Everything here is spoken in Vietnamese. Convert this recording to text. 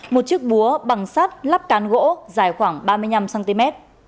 một chiếc búa bằng sắt lắp cán gỗ dài khoảng ba mươi năm cm